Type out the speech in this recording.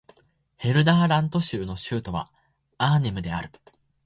ヘルダーラント州の州都はアーネムである